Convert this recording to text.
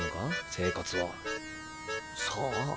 生活は。さあ。